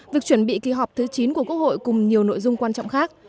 việc chuẩn bị kỳ họp thứ chín của quốc hội cùng nhiều nội dung quan trọng khác